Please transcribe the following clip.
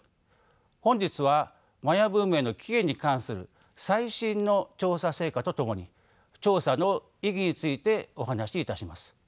本日はマヤ文明の起源に関する最新の調査成果とともに調査の意義についてお話しいたします。